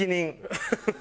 ハハハハ！